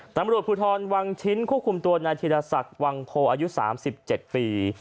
ตำรวจภูทรวางชิ้นโคกรุมตัวนายธิรัษักษ์วังโภอายุสามสิบเจ็ดปี